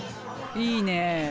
いいね。